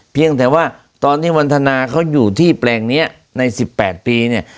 เพียงแต่ว่าตอนที่วันทนาเขาอยู่ที่แปลงนี้ใน๑๘ปีเนี่ย